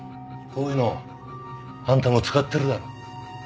こういうのあんたも使ってるだろ？